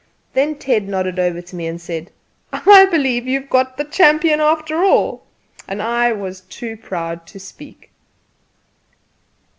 Then Ted nodded over at me, and said: "I believe you have got the champion after all!" And I was too proud to speak.